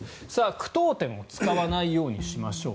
句読点を使わないようにしましょう。